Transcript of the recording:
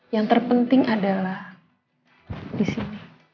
yang terpenting adalah disini